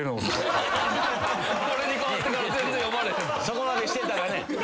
そこまでしてたらね。